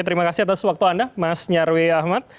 terima kasih atas waktu anda mas nyarwi ahmad